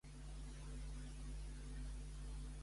Amb quina famosa companyia estava relacionat ell?